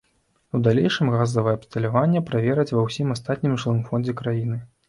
У далейшым газавае абсталявання правераць ва ўсім астатніх жылым фондзе краіны.